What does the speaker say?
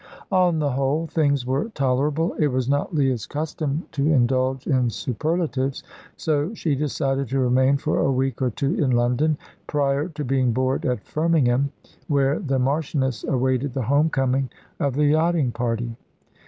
On the whole things were tolerable it was not Leah's custom to indulge in superlatives so she decided to remain for a week or two in London, prior to being bored at Firmingham, where the Marchioness awaited the home coming of the yachting party.